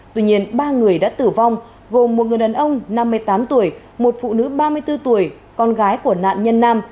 tuy nhiên ba người đã tử vong gồm một người đàn ông năm mươi tám tuổi một phụ nữ ba mươi bốn tuổi con gái của nạn nhân nam